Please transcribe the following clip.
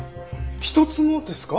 一つもですか？